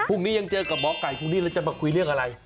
พรุ่งนี้ยังเจอกับหมอไก่พรุ่งนี้เราจะมาคุยเรื่องอะไร